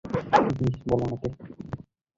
কী জিনিস বলো আমাকে।